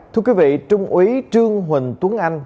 thưa quý vị trung úy trương huỳnh tuấn anh